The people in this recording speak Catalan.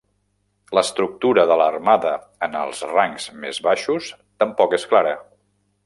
L'estructura de l'armada en els rangs més baixos tampoc és clara.